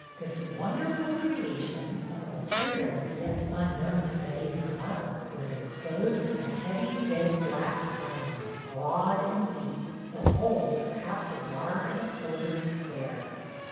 This wonderful creation, of a mate rial as yet unknown to Betty and her mother, was enclosed in a heavy dead black frame, broad and deep ; the whole, perhaps a yard and a quarter square.